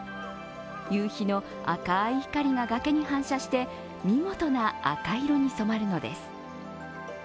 夕日の赤い光が崖に反射して見事な赤色に染まるのです。